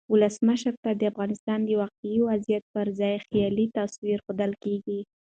ولسمشر ته د افغانستان واقعي وضعیت پرځای خیالي تصویر ښودل کیږي.